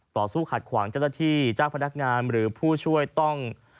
ต่อสู้ขัดขวางเจ้าหน้าที่เจ้าพนักงานหรือผู้ช่วยต้อง